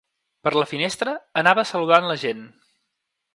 Per la finestra anava saludant la gent.